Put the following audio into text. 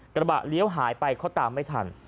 กระบะเลี้ยวหายไปเขาตามไม่ทัน